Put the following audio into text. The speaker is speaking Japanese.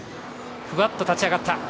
ふわっと立ち上がった。